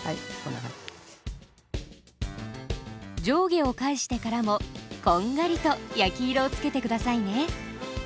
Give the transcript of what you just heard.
上下を返してからもこんがりと焼き色を付けて下さいね。